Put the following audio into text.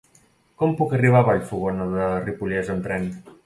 Com puc arribar a Vallfogona de Ripollès amb tren?